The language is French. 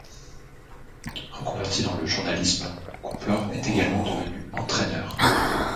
Reconverti dans le journalisme, Cooper est également devenu entraîneur.